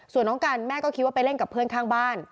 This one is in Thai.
ส่วนน้องกันแม่ก็คิดว่าไปเล่นกับเพื่อนข้างบ้าน